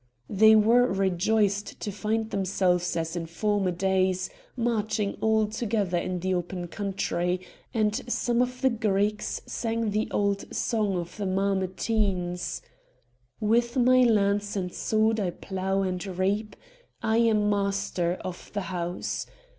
They were rejoiced to find themselves, as in former days, marching all together in the open country, and some of the Greeks sang the old song of the Mamertines: "With my lance and sword I plough and reap; I am master of the house!